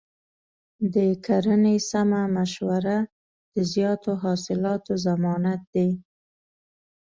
د کرنې سمه مشوره د زیاتو حاصلاتو ضمانت دی.